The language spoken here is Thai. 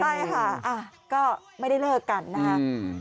ใช่ค่ะก็ไม่ได้เลิกกันนะครับ